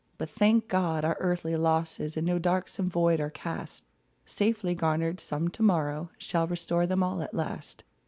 But, thank God ! our earthly losses In no darksome void are cast ; Safely garnered, some to morrow Shall restore them all at last.